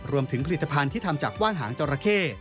รวมถึงผลิตภัณฑ์ที่ทำจากว่านหางจราเข้